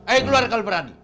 ayo keluar kalau berani